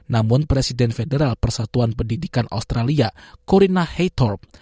namun presiden federal persatuan pendidikan australia corinna haythorpe